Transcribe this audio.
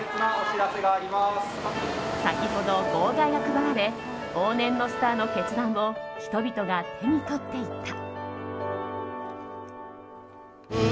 先ほど号外が配られ往年のスターの決断を人々が手に取っていった。